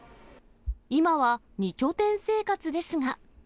今は２拠点生活ですが。